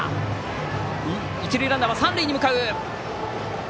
一塁ランナーは三塁へ向かう。